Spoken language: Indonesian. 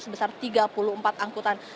sebesar tiga puluh empat angkutan